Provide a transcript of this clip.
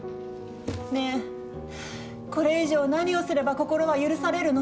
ねえこれ以上何をすれば心は許されるの？